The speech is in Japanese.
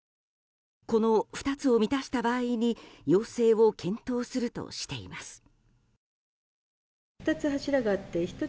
この２つを満たした場合に要請を検討するとしています。